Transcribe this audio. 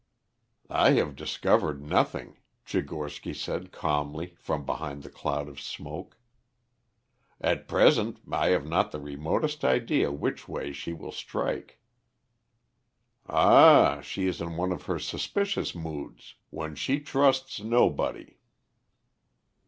"I have discovered nothing," Tchigorsky said calmly from behind the cloud of smoke. "At present I have not the remotest idea which way she will strike." "Ah, she is in one of her suspicious moods." "When she trusts nobody.